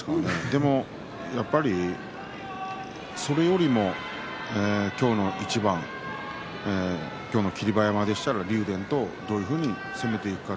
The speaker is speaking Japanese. でも、やっぱりそれよりも今日の一番今日の霧馬山でしたら竜電、どう攻めていくのか。